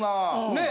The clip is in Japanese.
ねえ！